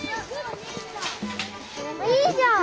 いいじゃん。